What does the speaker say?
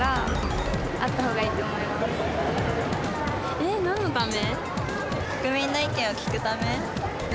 えなんのため？